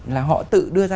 là họ tự đưa ra